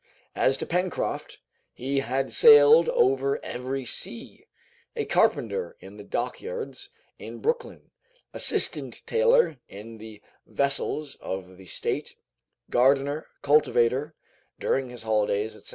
As to Pencroft, he had sailed over every sea, a carpenter in the dockyards in Brooklyn, assistant tailor in the vessels of the state, gardener, cultivator, during his holidays, etc.